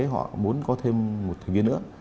họ muốn có thêm một thầy viên nữa